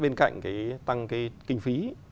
bên cạnh tăng kinh phí